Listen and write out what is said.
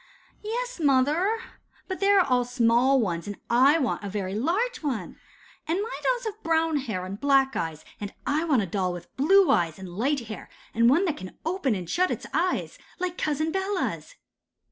'Yes, mother, but they are small ones, and I want a very large one. And my dolls have brown hair and black eyes, and I want a doll with blue eyes and light hair, and one that can open and shut its eyes, like Cousin Bella's.